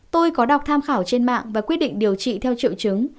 tôi có đọc tham khảo trên mạng và quyết định điều trị theo triệu chứng